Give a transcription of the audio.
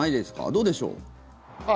どうでしょう？